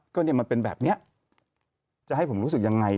ก็เนี่ยมันเป็นแบบนี้จะให้ผมรู้สึกยังไง